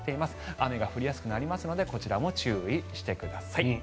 雨が降りやすくなりますのでこちらも注意してください。